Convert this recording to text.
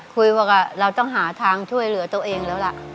คุยบอกว่าเราต้องหาทางช่วยเหลือตัวเองแล้วล่ะ